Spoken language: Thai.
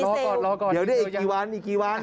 รอก่อนรอก่อนเดี๋ยวได้อีกกี่วันอีกกี่วัน